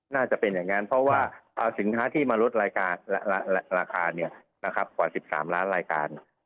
น่าจะเป็นอย่างนั้นเพราะว่าเอาสินค้าที่มาลดราคาราคากว่า๑๓ล้านรายการ